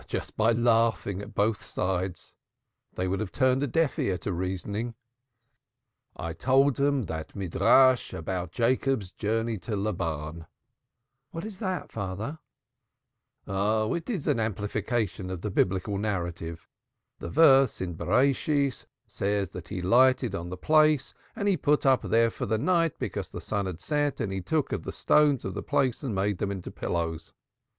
"Just by laughing at both sides. They would have turned a deaf ear to reasoning. I told them that Midrash about Jacob's journey to Laban." "What is that?" "Oh, it's an amplification of the Biblical narrative. The verse in Genesis says that he lighted on the place, and he put up there for the night because the sun had set, and he took of the stones of the place and he made them into pillows.